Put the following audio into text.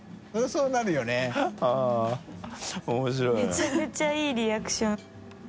めちゃくちゃいいリアクション。